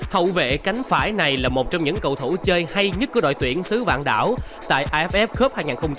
hậu vệ cánh phải này là một trong những cầu thủ chơi hay nhất của đội tuyển sứ vạn đảo tại iff cup hai nghìn một mươi tám